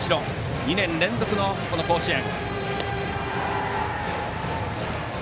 ２年連続の甲子園。